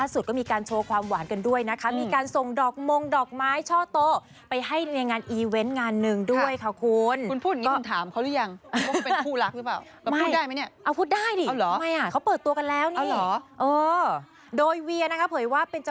สำหรับเวีย